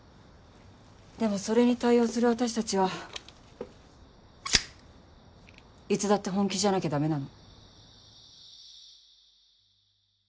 でもそれに対応する私たちはいつだって本気じゃなきゃダメなの。